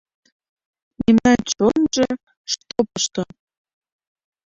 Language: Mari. Мемнан чонжо - штопышто